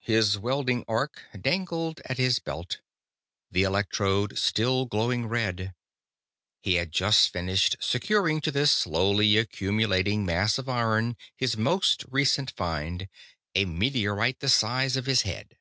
His welding arc dangled at his belt, the electrode still glowing red. He had just finished securing to this slowly accumulated mass of iron his most recent find, a meteorite the size of his head.